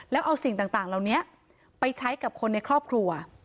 แล้วเอาสิ่งต่างเหล่านี้ไปใช้กับคนในครอบครัว